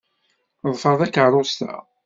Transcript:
Ḍfeṛ takeṛṛust-a.